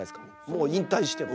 もう引退しても。